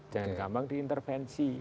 jangan gampang diintervensi